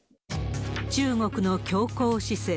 中国の強硬姿勢。